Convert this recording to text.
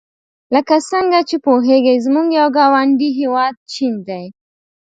لکه څنګه چې پوهیږئ زموږ یو ګاونډي هېواد چین دی.